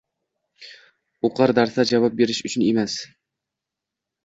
o'qir, darsda javob berish uchun emas